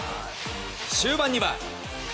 終盤には。